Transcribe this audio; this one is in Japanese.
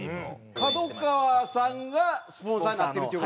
ＫＡＤＯＫＡＷＡさんがスポンサーになってるっていう事？